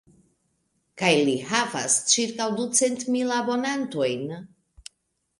Kaj li havas ĉirkaŭ ducent mil abonantojn.